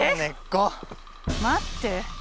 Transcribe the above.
待って。